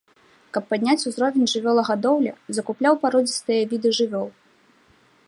Каб падняць узровень жывёлагадоўлі, закупляў пародзістыя віды жывёл.